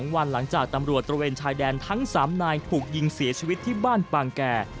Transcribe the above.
วันหลังจากตำรวจตระเวนชายแดนทั้ง๓นายถูกยิงเสียชีวิตที่บ้านปางแก่